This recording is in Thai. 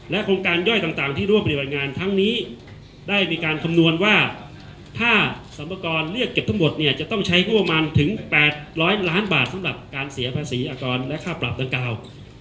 โครงการย่อยต่างที่ร่วมปฏิบัติงานทั้งนี้ได้มีการคำนวณว่าถ้าสรรพากรเรียกเก็บทั้งหมดเนี่ยจะต้องใช้งบประมาณถึง๘๐๐ล้านบาทสำหรับการเสียภาษีอากรและค่าปรับดังกล่าว